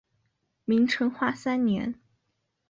明成化三年。